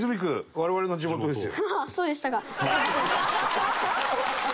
我々の地元ですよ。